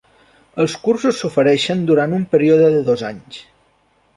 Els cursos s'ofereixen durant un període de dos anys.